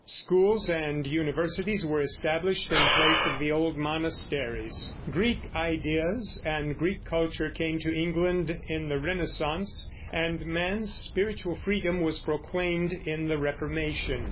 Schools and universities were established in place of the old monasteries; Greek ideas and Greek culture came to England in the Renaissance, and man's spiritual freedom was proclaimed in the Reformation.